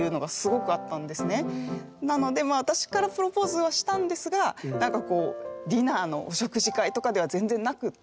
なので私からプロポーズはしたんですがなんかこうディナーの食事会とかでは全然なくって。